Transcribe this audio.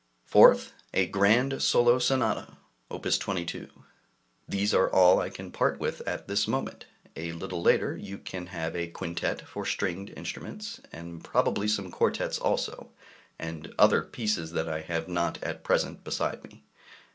4th. A Grand Solo Sonata [Op. 22]. These are all I can part with at this moment; a little later you can have a quintet for stringed instruments, and probably some quartets also, and other pieces that I have not at present beside me.